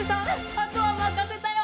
あとはまかせたよ！